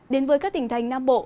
đến với các tỉnh thành nam bộ